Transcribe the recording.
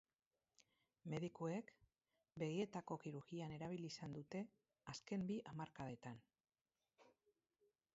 Medikuek begietako kirurgian erabili izan dute azken bi hamarkadetan.